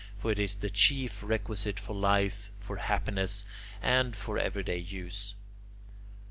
For it is the chief requisite for life, for happiness, and for everyday use.